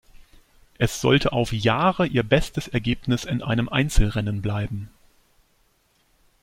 Es sollte auf Jahre ihr bestes Ergebnis in einem Einzelrennen bleiben.